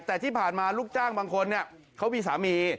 แต่ที่ผ่านมาลูกจ้างบางคนเขามีสามี